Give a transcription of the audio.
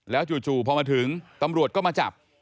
จู่พอมาถึงตำรวจก็มาจับ